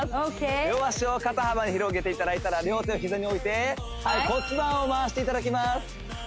両脚を肩幅に広げていただいたら両手を膝に置いてはい骨盤を回していただきます